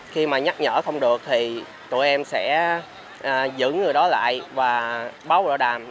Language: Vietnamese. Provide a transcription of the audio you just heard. khi mà nhắc nhở không được thì tụi em sẽ dựng người đó lại và báo rõ đàm